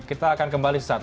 kita akan kembali sesaat lagi